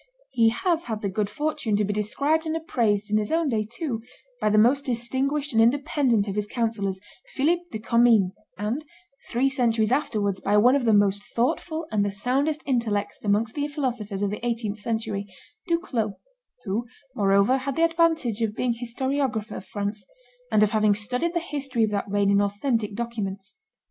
He has had the good fortune to be described and appraised, in his own day too, by the most distinguished and independent of his councillors, Philip de Commynes, and, three centuries afterwards, by one of the most thoughtful and the soundest intellects amongst the philosophers of the eighteenth century, Duclos, who, moreover, had the advantage of being historiographer of France, and of having studied the history of that reign in authentic documents.